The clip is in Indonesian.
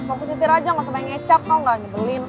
fokus ngitir aja gak usah main ngecap tau gak nyebelin